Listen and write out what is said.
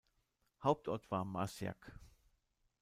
Hauptort war Marciac.